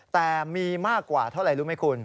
แต่มีมากกว่าเท่าไหร่รู้ไหมคุณ